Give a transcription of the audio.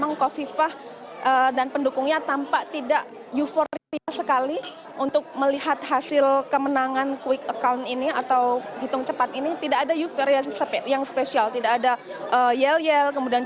ooh ada mengerti gitu